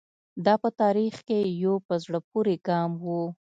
دا په تاریخ کې یو په زړه پورې ګام و.